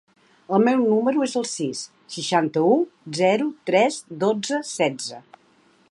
El meu número es el sis, seixanta-u, zero, tres, dotze, setze.